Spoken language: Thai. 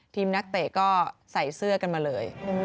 นักเตะก็ใส่เสื้อกันมาเลย